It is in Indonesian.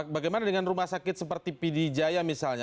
bagaimana dengan rumah sakit seperti pd jaya misalnya